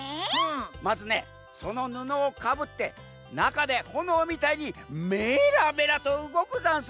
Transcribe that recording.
まずねそのぬのをかぶってなかでほのおみたいにメラメラとうごくざんす。